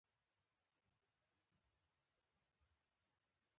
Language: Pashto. د مایا دولت ښارونو تاریخ یو شوم پای راښيي